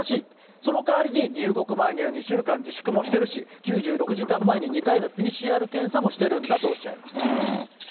そのかわりに、入国前には２週間自粛もしているし、９６時間前に２回のＰＣＲ検査もしてるんだとおっしゃいます。